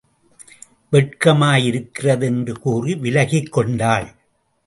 வெட்கமா யிருக்கிறது என்று கூறி விலகிக் கொண்டாள்!